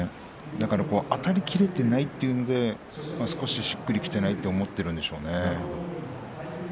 だからあたりきれていないというのでしっくりきていないと思っているんでしょうね。